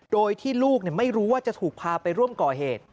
โดยที่ลูกไม่รู้ว่าจะถูกพาไปร่วมก่อเหตุ